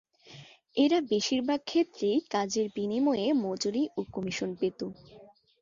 এরা বেশিরভাগ ক্ষেত্রেই কাজের বিনিময়ে মজুরি ও কমিশন পেত।